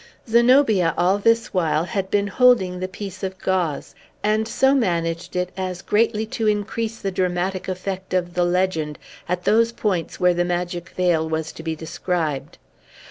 Zenobia, all this while, had been holding the piece of gauze, and so managed it as greatly to increase the dramatic effect of the legend at those points where the magic veil was to be described.